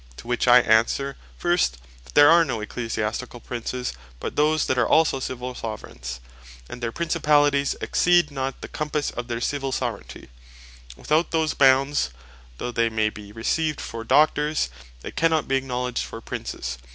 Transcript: To which I answer, first, that there are no Ecclesiasticall Princes but those that are also Civill Soveraignes; and their Principalities exceed not the compasse of their Civill Soveraignty; without those bounds though they may be received for Doctors, they cannot be acknowledged for Princes.